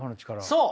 そう。